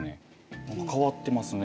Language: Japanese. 何か変わってますね。